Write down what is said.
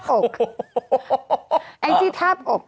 โอ๊ะไอจีท่าอบ